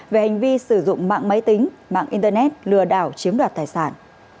về hành vi sử dụng mạng máy tính mạng internet lừa đảo chiếm đoạt tài sản